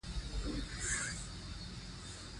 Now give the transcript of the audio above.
افغانستان د کندهار په برخه کې نړیوال شهرت لري.